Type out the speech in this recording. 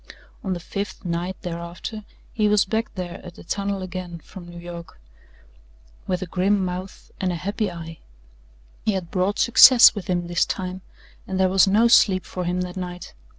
On the fifth night, thereafter he was back there at the tunnel again from New York with a grim mouth and a happy eye. He had brought success with him this time and there was no sleep for him that night.